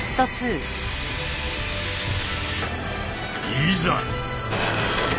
いざ！